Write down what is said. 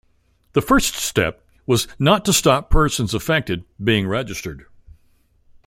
The first step was not to stop persons affected being registered.